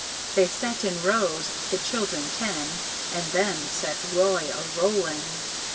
They set in rows the children ten And then set Roy a rolling.